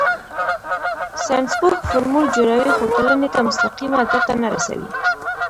ساینسپوه فورمول جوړوي خو ټولنې ته مستقیمه ګټه نه رسوي.